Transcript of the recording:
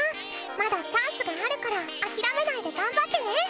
まだチャンスがあるから諦めないで頑張ってね。